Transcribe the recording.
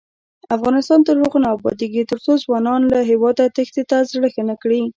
افغانستان تر هغو نه ابادیږي، ترڅو ځوانان له هیواده تېښتې ته زړه ښه نکړي.